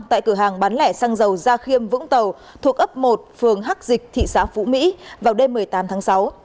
tại cửa hàng bán lẻ xăng dầu gia khiêm vũng tàu thuộc ấp một phường hắc dịch thị xã phú mỹ vào đêm một mươi tám tháng sáu